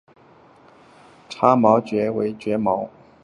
叉毛锯蕨为禾叶蕨科锯蕨属下的一个种。